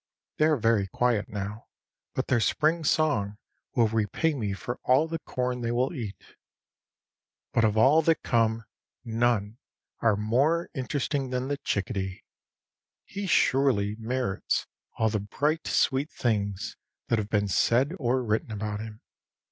They are very quiet now, but their spring song will repay me for all the corn they will eat. But of all that come, none are more interesting than the chickadee. He surely merits all the bright sweet things that have been said or written about him.